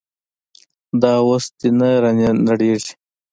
دا اوس دې نه رانړېږي.